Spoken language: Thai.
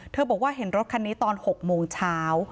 บอกว่าเห็นรถคันนี้ตอน๖โมงเช้า